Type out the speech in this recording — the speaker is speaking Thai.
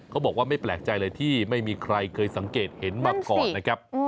เขาบอกว่าไม่แปลกใจเลยที่ไม่มีใครเคยสังเกตเห็นมาก่อนนะครับ